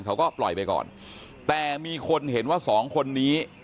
เขาก็ปล่อยไปก่อนแต่มีคนเห็นว่าสองคนนี้